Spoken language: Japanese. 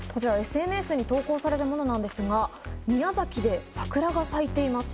ＳＮＳに投稿されたものなんですが、宮崎で桜が咲いています。